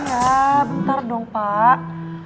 ya bentar dong pak